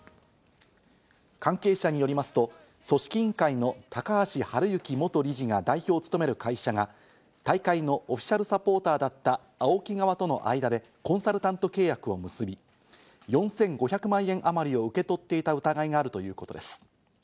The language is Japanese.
関係者によりますと、組織委員会の高橋治之元理事が代表を務める会社が、大会のオフィシャルサポーターだったＡＯＫＩ側との間でコンサルタント契約を結び、４５００万円あまりを受け取っていた疑いがあるということです。